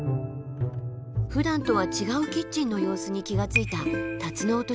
ふだんとは違うキッチンの様子に気が付いたタツノオトシゴさん。